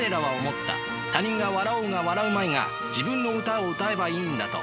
他人が笑おうが笑うまいが自分の歌を歌えばいいんだと。